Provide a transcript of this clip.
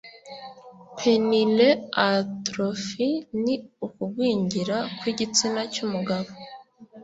Penile Atrophy ni ukugwingira kw'igitsina cy'umugabo